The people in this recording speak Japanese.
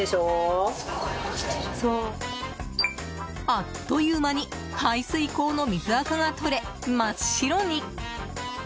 あっという間に排水溝の水あかが取れ、真っ白に。